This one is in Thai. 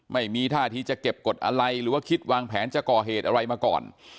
ไม่มีท่าที่จะเก็บกฎอะไรหรือว่าคิดวางแผนจะก่อเหตุอะไรมาก่อน